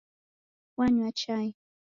Wanywa chai.